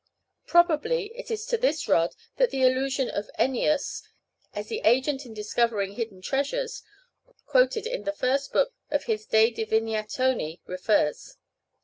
Probably it is to this rod that the allusion of Ennius, as the agent in discovering hidden treasures, quoted in the first book of his "De Divinatione," refers.